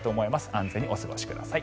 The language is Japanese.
安全にお過ごしください。